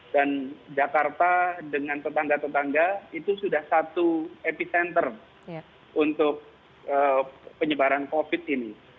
dan jakarta dengan tetangga tetangga itu sudah satu epicenter untuk penyebaran covid ini